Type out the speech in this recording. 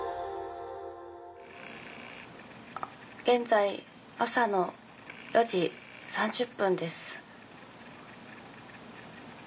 現在朝の４時３０分です。